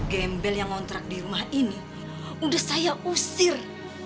gembel yang ngontrak di rumah ini udah saya usir